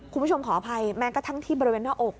คุณผู้ชมขออภัยแม้กระทั่งที่บริเวณหน้าอก